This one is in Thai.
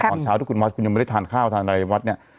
ตอนเช้าที่คุณมอสคุณยังไม่ได้ทานข้าวทานอะไรวัดเนี่ย